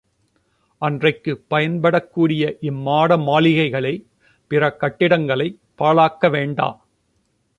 அன்றைக்குப் பயன்படக்கூடிய இம்மாடமாளிகைகளைப் பிற கட்டிடங்களைப் பாழாக்க வேண்டா.